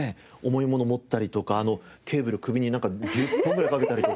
重いもの持ったりとかケーブル首になんか１０本ぐらいかけたりとか。